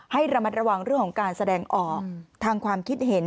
ให้ระมัดระวังเรื่องของการแสดงออกทางความคิดเห็น